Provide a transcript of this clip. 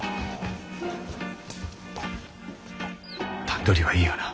段取りはいいよな？